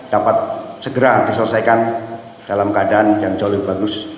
dapat segera diselesaikan dalam keadaan yang jauh lebih bagus